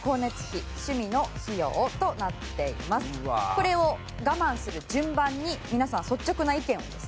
これを我慢する順番に皆さん率直な意見をですね